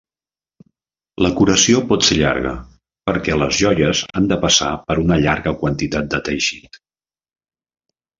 La curació pot ser llarga perquè les joies han de passar per una llarga quantitat de teixit.